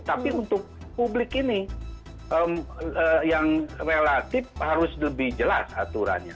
tapi untuk publik ini yang relatif harus lebih jelas aturannya